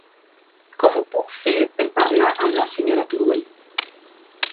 Com ho puc fer per parlar amb la senyora Turull?